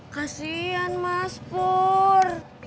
kasian mas pur